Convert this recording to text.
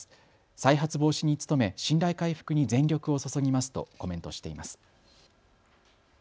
再発防止に努め信頼回復に全力を注ぎますとコメントしています。